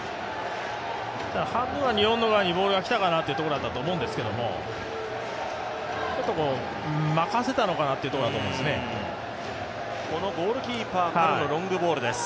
半分は日本の側にボールが来たかなというところだったと思うんですけど、任せたなというところがあったと思いますね。